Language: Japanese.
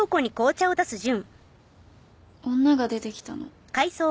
女が出てきたの。